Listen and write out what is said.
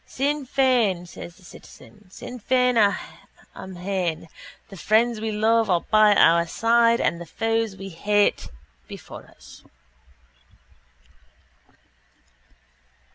—Sinn Fein! says the citizen. Sinn Fein amhain! The friends we love are by our side and the foes we hate before us.